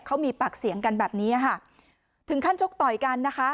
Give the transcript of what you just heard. เขามีปากเสียงกันแบบนี้ค่ะถึงขั้นชกต่อยกันนะคะ